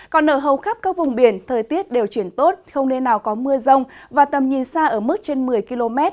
còn ở hầu khắp các vùng biển thời tiết đều chuyển tốt không nên nào có mưa rông và tầm nhìn xa ở mức trên một mươi km